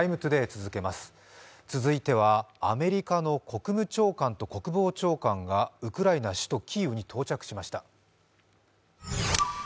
続いてはアメリカの国務長官と国防長官がウクライナ首都キーウに到着しました。